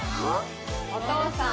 お父さん。